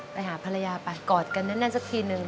ไปหาภรรยาไปกอดกันแน่นสักทีนึง